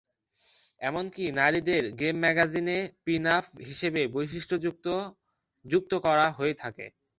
এমনকি নারীদের গেম ম্যাগাজিনে পিন-আপ হিসাবে বৈশিষ্ট্যযুক্ত যুক্ত করা হয়ে থাকে।